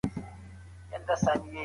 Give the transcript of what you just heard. موږ یو ځای خاندو.